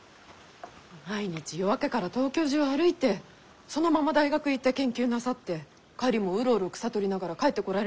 毎日夜明けから東京中歩いてそのまま大学行って研究なさって帰りもうろうろ草採りながら帰ってこられるでしょ？